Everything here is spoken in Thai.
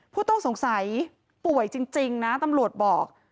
ผู้ต้องสงสัยป่วยจริงนะตำรวจบอก